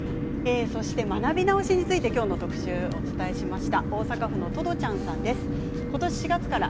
学び直しについて今日の特集、お伝えしました。